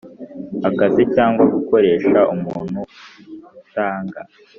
akazi cyangwa gukoresha umuntu utanga